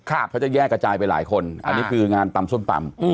เขาจะแยกกระจายไปหลายคนอันนี้คืองานตำส้มตำ